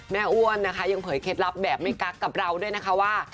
อ้วนนะคะยังเผยเคล็ดลับแบบไม่กักกับเราด้วยนะคะว่า